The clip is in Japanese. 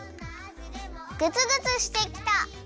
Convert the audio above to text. グツグツしてきた！